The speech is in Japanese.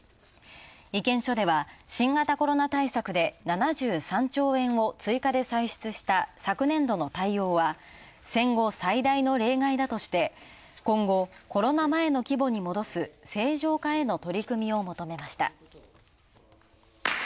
意見書では新型コロナ対策で７３兆円を追加で歳出した昨年度の対応は、戦後最大の例外だとして今後、コロナ前の規模に戻す正常化への取り組みを求めました。